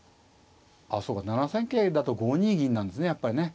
あそうか７三桂だと５二銀なんですねやっぱりね。